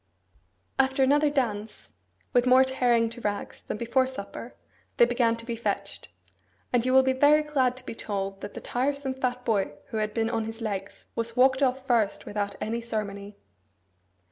After another dance (with more tearing to rags than before supper), they began to be fetched; and you will be very glad to be told that the tiresome fat boy who had been on his legs was walked off first without any ceremony.